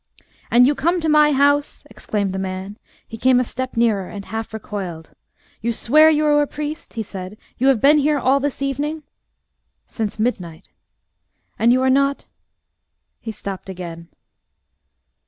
"And you come to my house!" exclaimed the man. He came a step nearer, and half recoiled. "You swear you are a priest?" he said. "You have been here all this evening?" "Since midnight." "And you are not " he stopped again.